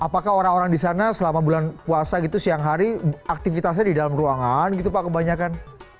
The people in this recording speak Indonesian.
apakah orang orang di sana selama bulan puasa gitu siang hari aktivitasnya di dalam ruangan gitu pak kebanyakan